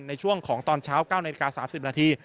ในช่วงของตอนเช้า๙นาฬิกา๓๐นาที